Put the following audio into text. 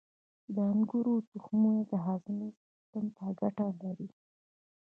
• د انګورو تخمونه د هاضمې سیستم ته ګټه لري.